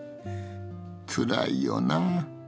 つらいよな。